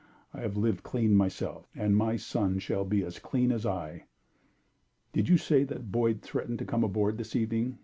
I have lived clean myself, and my son shall be as clean as I." "Did you say that Boyd threatened to come aboard this evening?"